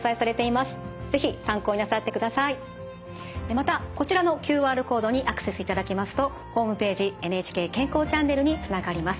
またこちらのＱＲコードにアクセスいただきますとホームページ「ＮＨＫ健康チャンネル」につながります。